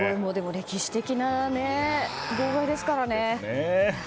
歴史的な号外ですからね。